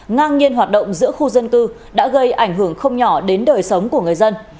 ngang nhiên hoạt động giữa khu dân cư đã gây ảnh hưởng không nhỏ đến đời sống của người dân